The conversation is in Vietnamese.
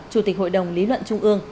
chủ tịch hội đồng lý luận trung ương